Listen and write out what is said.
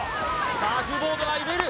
サーフボードが揺れる！